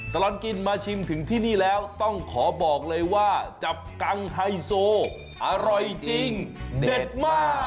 ตลอดกินมาชิมถึงที่นี่แล้วต้องขอบอกเลยว่าจับกังไฮโซอร่อยจริงเด็ดมาก